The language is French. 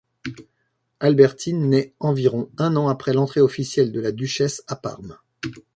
Albertine nait environ un an après l'entrée officielle de la duchesse à Parme.